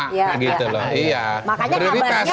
makanya kabarnya p tiga sudah diterima